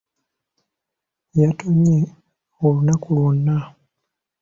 Yatonnye olunaku lwonna.